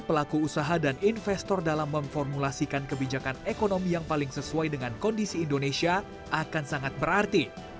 pelaku usaha dan investor dalam memformulasikan kebijakan ekonomi yang paling sesuai dengan kondisi indonesia akan sangat berarti